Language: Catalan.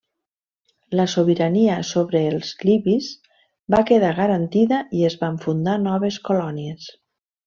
La sobirania sobre els libis va quedar garantida i es van fundar noves colònies.